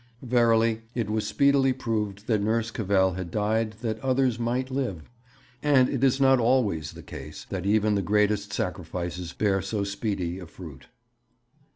Verily, it was speedily proved that Nurse Cavell had died that others might live and it is not always the case that even the greatest sacrifices bear so speedy a fruit.